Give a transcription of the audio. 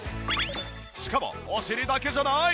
しかもお尻だけじゃない！